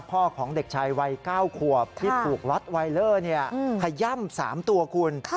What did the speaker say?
พ่อของเด็กชายวัย๙ขวบโพลลทไวเลอร์จะย่ำ๓ตัวคุณ